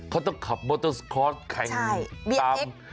เขาต้องขับมอเตอร์สคอร์สแข่งตาม